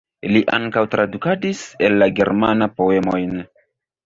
Li ankaŭ tradukadis el la germana poemojn.